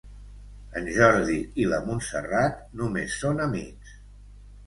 En Jordi i la Montserrat només són amics.